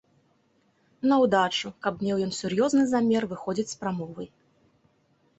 Наўдачу, каб меў ён сур'ёзны замер выходзіць з прамовай.